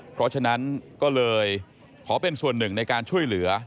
เพราะฉะนั้นก็เลยขอเป็นส่วนหนึ่งในการช่วยเหลือ